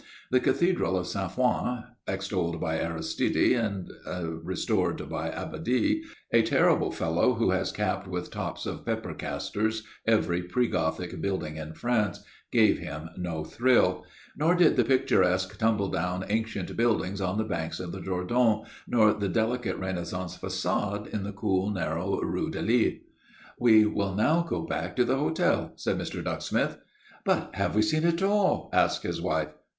The cathedral of Saint Front, extolled by Aristide and restored by Abadie a terrible fellow who has capped with tops of pepper castors every pre Gothic building in France gave him no thrill; nor did the picturesque, tumble down ancient buildings on the banks of the Dordogne, nor the delicate Renaissance façades in the cool, narrow Rue du Lys. "We will now go back to the hotel," said Mr. Ducksmith. "But have we seen it all?" asked his wife.